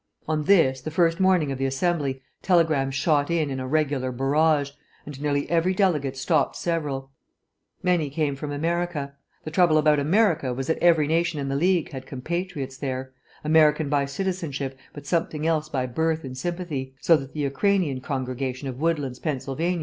On this, the first morning of the Assembly, telegrams shot in in a regular barrage, and nearly every delegate stopped several. Many came from America. The trouble about America was that every nation in the League had compatriots there, American by citizenship, but something else by birth and sympathy, so that the Ukrainian congregation of Woodlands, Pa.